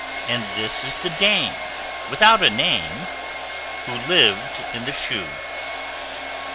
And this is the dame Without a name, WHO LIVED IN THE SHOE.